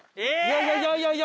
いやいやいやいや。